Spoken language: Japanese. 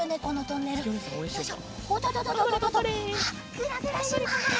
ぐらぐらします。